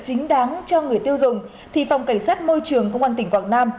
và chính đáng cho người tiêu dùng thì phòng cảnh sát môi trường công an tp quảng nam